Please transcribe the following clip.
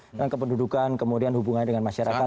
dengan kependudukan kemudian hubungannya dengan masyarakat